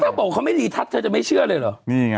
เขาบอกเขาไม่หนีทัศน์เธอจะไม่เชื่อเลยเหรอนี่ไง